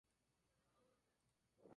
Un taxista es acusado del asesinato.